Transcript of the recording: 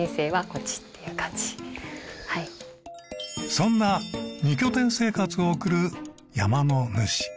そんな二拠点生活を送る山の主。